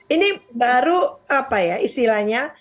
ini baru apa ya istilahnya